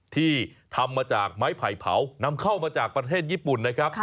ที่ทำมาจากไม้ไผ่เผานำเข้ามาจากประเทศญี่ปุ่นนะครับ